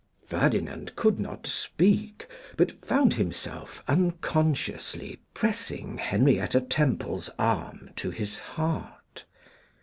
Ferdinand could not speak, but found himself unconsciously pressing Henrietta Temple's arm to his heart.